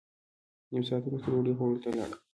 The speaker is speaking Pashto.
نیم ساعت وروسته ډوډۍ خوړلو ته لاړم.